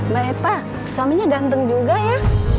mbak eva suaminya ganteng juga ya